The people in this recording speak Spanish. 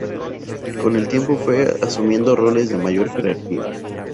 Con el tiempo fue asumiendo roles de mayor jerarquía.